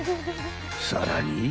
［さらに］